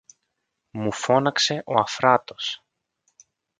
μου φώναξε ο Αφράτος